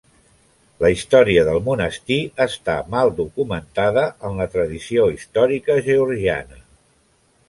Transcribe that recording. La història del monestir està mal documentada en la tradició històrica georgiana.